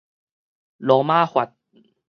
羅馬法